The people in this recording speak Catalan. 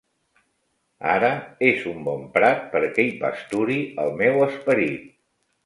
Ara és un bon prat perquè hi pasturi el meu esperit.